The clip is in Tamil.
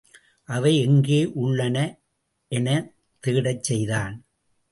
அவை எங்கே உள்ளன எனத் தேடச் செய்தான்.